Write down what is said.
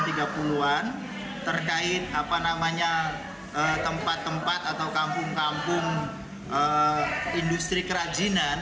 terkait tempat tempat atau kampung kampung industri kerajinan